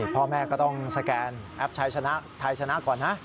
พ่อแม่ก็ต้องสแกนแอปใช้ชนะใช้ชนะก่อนไปค่ะ